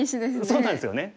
そうなんですよね。